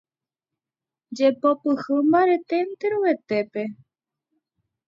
Jepopyhy mbarete enterovetépe.